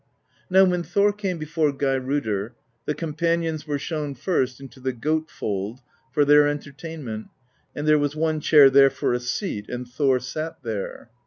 "Now when Thor came before Geirrodr, the com panions were shown first into the goat fold^ for their en tertainment, and there was one chair there for a seat, and Thor sat there.